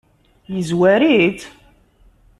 Yezwar-itt?